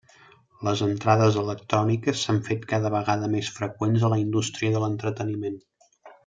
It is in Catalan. Les entrades electròniques s'han fet cada vegada més freqüents a la indústria de l'entreteniment.